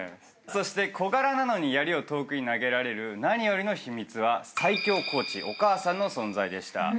そして小柄なのにやりを遠くに投げられる何よりの秘密は最強コーチお母さんの存在でした。